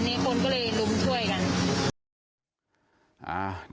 นี่คนก็เลยลุมช่วยกัน